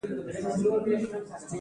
دویم کتاب د ګاندي د فلسفې په اړه دی.